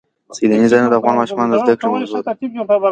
سیلانی ځایونه د افغان ماشومانو د زده کړې موضوع ده.